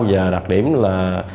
và đặc điểm là